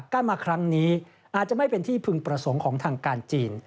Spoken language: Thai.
การมาครั้งนี้อาจจะไม่เป็นที่พึงประสงค์ของทางการจีน